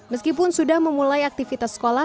meskipun sudah memulai aktivitas sekolah